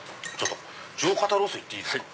上肩ロースいっていいっすか？